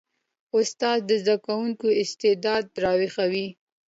استاد د زده کوونکي استعداد راویښوي.